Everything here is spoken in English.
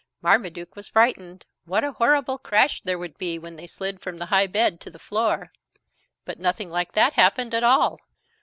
Marmaduke was frightened. What a horrible crash there would be when they slid from the high bed to the floor. But nothing like that happened at all.